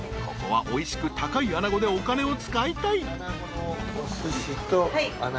［ここはおいしく高いアナゴでお金を使いたい］